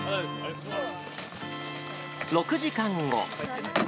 ６時間後。